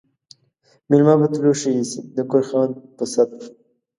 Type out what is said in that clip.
ميلمه په تلو ښه ايسي ، د کور خاوند په ست.